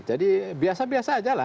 jadi biasa biasa aja lah